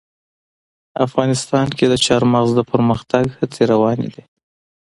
افغانستان کې د چار مغز د پرمختګ هڅې روانې دي.